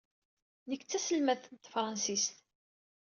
Nekk d taselmadt n tefṛansist.